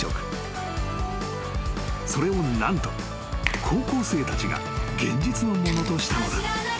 ［それを何と高校生たちが現実のものとしたのだ］